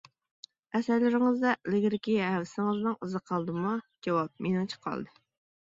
ئەسەرلىرىڭىزدە ئىلگىرىكى ھەۋىسىڭىزنىڭ ئىزى قالدىمۇ؟ جاۋاب: مېنىڭچە قالدى.